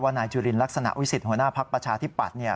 นายจุลินลักษณะวิสิทธิหัวหน้าภักดิ์ประชาธิปัตย์